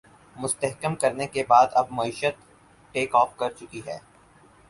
مستحکم کرنے کے بعد اب معیشت ٹیک آف کر چکی ہے